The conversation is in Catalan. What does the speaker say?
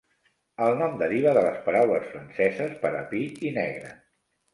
El nom deriva de les paraules franceses per a "pi" i "negre".